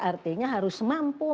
artinya harus mampu